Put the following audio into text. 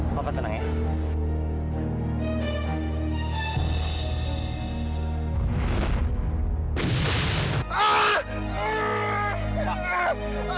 papa tenang ya